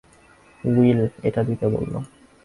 Will এটা দিতে বলল।